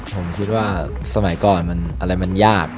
ผมคิดว่าสมัยก่อนอะไรมันยาก